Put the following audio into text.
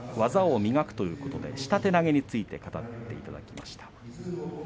「技を磨く」ということで下手投げについて語っていただきました。